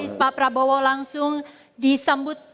waktunya habis pak prabowo langsung disambut